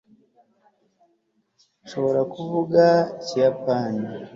ashobora kuvuga ikiyapani